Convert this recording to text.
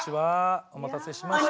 お待たせしました。